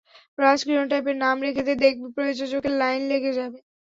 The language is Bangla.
রাজ কিরণ টাইপের নাম রেখে দে, দেখবি প্রযোজকের লাইন লেগে যাবে।